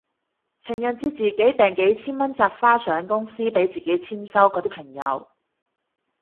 情人節自己訂幾千蚊紮花上公司俾自己簽收嗰啲朋友